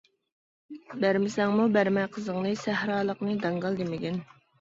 بەرمىسەڭمۇ بەرمە قىزىڭنى، سەھرالىقنى داڭگال دېمىگىن.